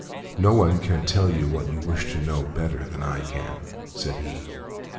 "No one can tell you what you wish to know better than I can," said he.